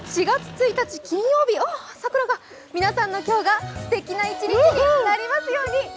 ４月１日金曜日皆さんの今日がすてきな一日になりますように！